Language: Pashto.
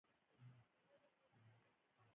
پوهنتونونه کادرونه روزي